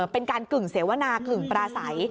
เป็นการกึ่งเสวนากึ่งปลาใส